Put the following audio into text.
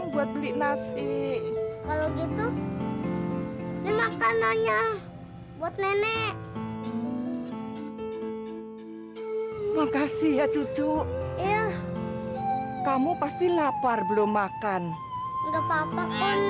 beo kita nggak usah tidur di rumah ya